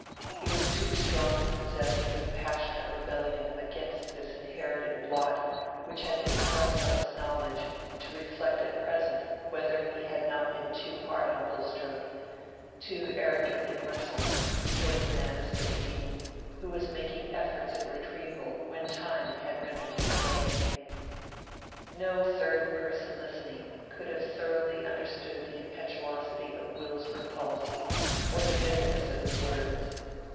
He was too strongly possessed with passionate rebellion against this inherited blot which had been thrust on his knowledge to reflect at present whether he had not been too hard on Bulstrode—too arrogantly merciless towards a man of sixty, who was making efforts at retrieval when time had rendered them vain. No third person listening could have thoroughly understood the impetuosity of Will's repulse or the bitterness of his words.